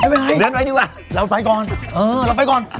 เดินไปดีกว่าเราไปก่อนเออเราไปก่อน